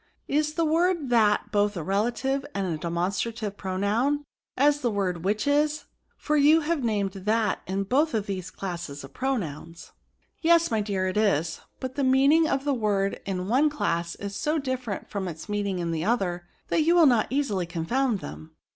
Is the word that both a relative and a demonstrative pronoun, as the word which is ? for you have named that in both these classes of pro nouns." s 3 198 1>£M0HSTRATIV£ PROKOtTKS. ^^ Yes^ my dear, it is ; but the meaning of the word in one class is so different from its meaning in the other that you will not easily confoimd them.